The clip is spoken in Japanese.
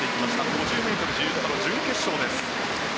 ５０ｍ自由形の準決勝です。